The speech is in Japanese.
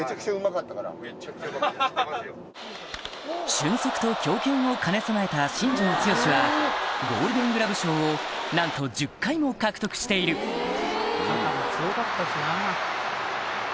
俊足と強肩を兼ね備えた新庄剛志はゴールデン・グラブ賞をなんと１０回も獲得しているお！